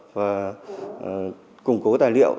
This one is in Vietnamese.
và củng cố tài liệu